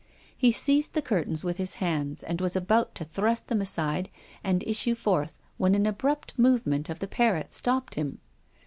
He seized the curtains with his hands and was about to thrust them aside and issue forth when an abrupt movem.ent of the parrot stopped him.